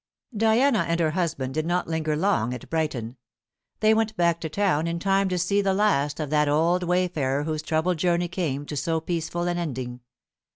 Diana and her husband did not linger long at Brighton; they went back to town in time to see the last of that old wayfarer whose troubled journey came to so peaceful an ending.